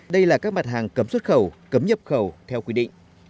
đây là các mặt hàng cấm xuất khẩu cấm nhập khẩu theo quy định